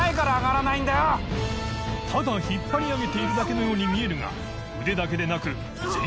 燭引っ張り上げているだけのように見えるが咾世韻任覆全